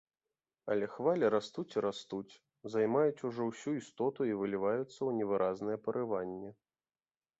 Але хвалі растуць і растуць, займаюць ужо ўсю істоту і выліваюцца ў невыразнае парыванне.